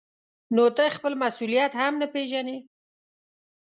نو ته خپل مسؤلیت هم نه پېژنې.